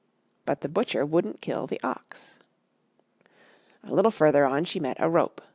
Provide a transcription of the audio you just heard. But the butcher wouldn't kill the ox. A little further on she met a rope.